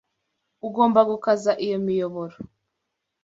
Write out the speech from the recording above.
Ugomba gukaza iyo miyoboro.